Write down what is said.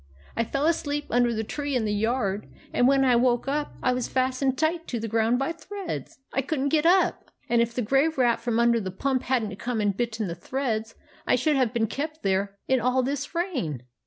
I fell asleep under the tree in the yard, and when I woke up I was fastened tight to the ground by threads. I could n't get up ; and if the Grey Rat from under the pump had n't come and bitten the threads, I should have been kept there in all this rain."